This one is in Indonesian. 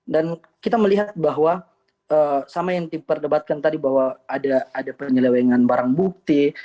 dan kita melihat bahwa sama yang diperdebatkan tadi bahwa ada penyelewengan barang bukti